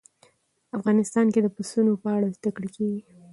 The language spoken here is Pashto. افغانستان کې د پسونو په اړه زده کړه کېږي.